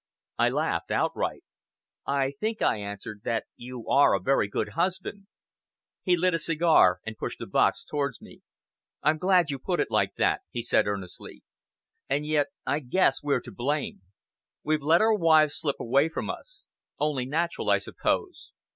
I laughed outright. "I think," I answered, "that you are a very good husband." He lit a cigar and pushed the box towards me. "I'm glad you put it like that," he said earnestly. "And yet I guess we're to blame. We've let our wives slip away from us. Only natural, I suppose.